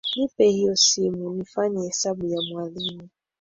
Nipe hiyo simu nifanye hesabu ya mwalimu.